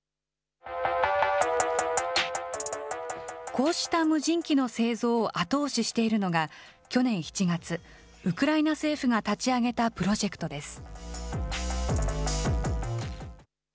こうした無人機の製造を後押ししているのが、去年７月、ウクライナ政府が立ち上げたプロジェクトです。